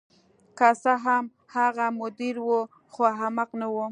که څه هم هغه مدیر و خو احمق نه و